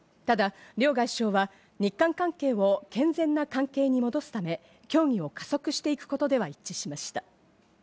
ただ両外相は日韓関係を健全な関係に戻すため、協議を加速していくことでは一致しました。